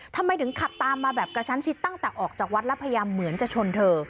ทำไมถึงขับตามมาแบบกระชั้นชิดตั้งแต่ออกจากวัดแล้วพยายามเหมือนจะชนเธอ